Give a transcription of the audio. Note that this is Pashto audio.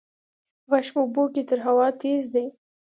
غږ په اوبو کې تر هوا تېز دی.